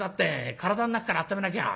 体の中からあっためなきゃ。